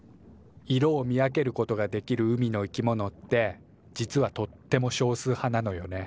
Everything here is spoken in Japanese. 色を見分けることができる海のいきものって実はとっても少数派なのよね。